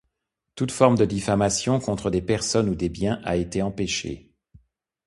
Toute forme de diffamation contre des personnes ou des biens a été empêchée.